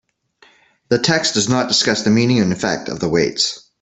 The text does not discuss the meaning and effect of the weights.